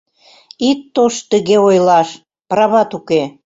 Ит тошт тыге ойлаш, прават уке.